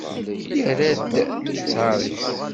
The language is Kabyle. Yerra-d ttar-is.